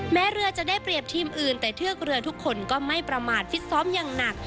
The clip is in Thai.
แม้เรือจะได้เปรียบทีมอื่นแต่เทือกเรือทุกคนก็ไม่ประมาทฟิตซ้อมอย่างหนัก